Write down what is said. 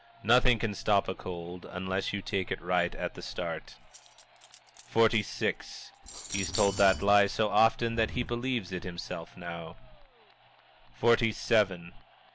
"Nothing can stop a cold, unless you take it right at the start." XLVI. "He's told that lie so often that he believes it himself, now." XLVII.